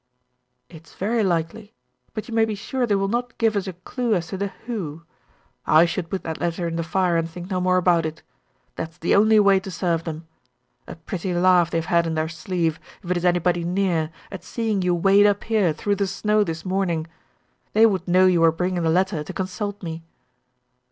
"It is very likely; but you may be sure they will not give us a clue as to the 'who.' I should put that letter in the fire, and think no more about it. That's the only way to serve them. A pretty laugh they have had in their sleeve, if it is anybody near, at seeing you wade up here through the snow this morning! They would know you were bringing the letter, to consult me."